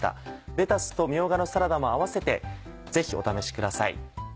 レタスとみょうがのサラダもあわせてぜひお試しください。